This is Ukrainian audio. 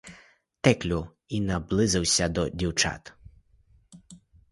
Теклю і наблизився до дівчат.